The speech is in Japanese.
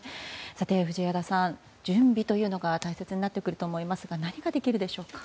藤枝さん、準備というのが大切になってくると思いますが何ができるでしょうか。